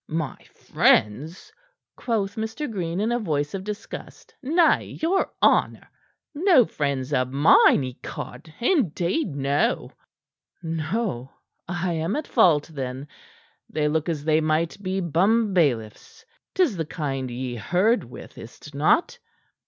"My friends?" quoth Mr. Green, in a voice of disgust. "Nay, your honor! No friends of mine, ecod! Indeed, no!" "No? I am at fault, then. Yet they look as if they might be bumbailiffs. 'Tis the kind ye herd with, is't not?